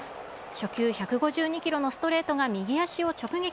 初球１５２キロのストレートが右足を直撃。